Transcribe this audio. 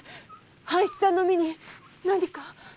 半七さんの身に何か？